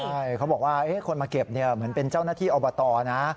ใช่เขาบอกว่าคนมาเก็บเหมือนเป็นเจ้าหน้าที่อบตนะ